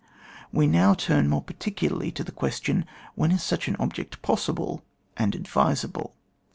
We now turn more particularly to the question, When is such an object possible and advisable